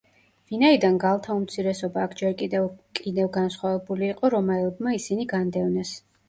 ვინაიდან გალთა უმცირესობა აქ ჯერ კიდევ კიდევ განსხვავებული იყო, რომაელებმა ისინი განდევნეს.